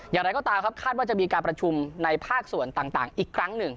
อย่างไรก็ตามครับคาดว่าจะมีการประชุมในภาคส่วนต่างอีกครั้งหนึ่ง